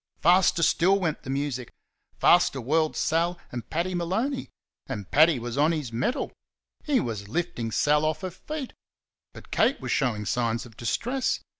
Faster still went the music; faster whirled Sal and Paddy Maloney. And Paddy was on his mettle. He was lifting Sal off her feet. But Kate was showing signs of distress.